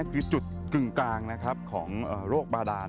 คือจุดกึ่งกลางของโรคบาดาน